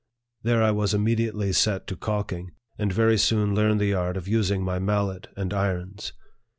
There I was immediately set to calking, and very soon learned the art of using my mallet and irons.